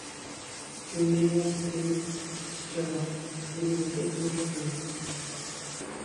ফিল্ডিংয়ের স্ত্রী স্টেলা, যিনি মিসেস মুরের মেয়ে।